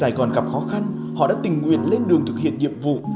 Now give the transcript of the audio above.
khi sài gòn gặp khó khăn họ đã tình nguyện lên đường thực hiện nhiệm vụ